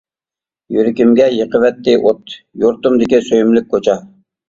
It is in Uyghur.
يۈرىكىمگە يېقىۋەتتى ئوت، يۇرتۇمدىكى سۆيۈملۈك كوچا.